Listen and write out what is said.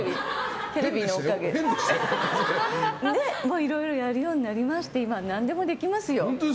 いろいろやるようになりまして今は何でもできますよ。